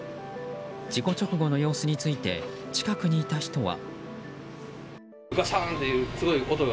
事故直後の様子について近くにいた人は。